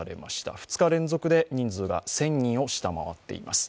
２日連続で人数が１０００人を下回っています。